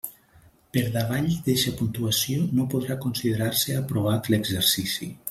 Per davall d'eixa puntuació no podrà considerar-se aprovat l'exercici.